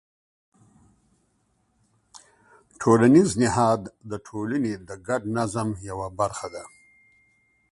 ټولنیز نهاد د ټولنې د ګډ نظم یوه برخه ده.